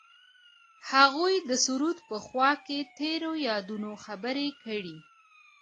هغوی د سرود په خوا کې تیرو یادونو خبرې کړې.